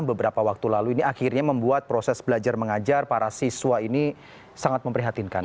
beberapa waktu lalu ini akhirnya membuat proses belajar mengajar para siswa ini sangat memprihatinkan